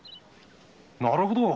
なるほど。